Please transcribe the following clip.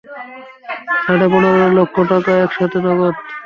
সাড়ে পনেরো লক্ষ টাকা একসাথে, নগদ?